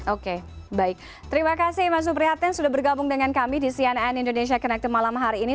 oke baik terima kasih mas suprihatin sudah bergabung dengan kami di cnn indonesia connected malam hari ini